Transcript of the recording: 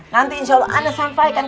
nanti insyaallah ana sampaikan ke ana